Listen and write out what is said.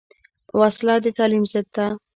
وسله د تعلیم ضد ده